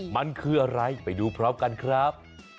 มันคืออะไรไปดูพร้อมกันครับ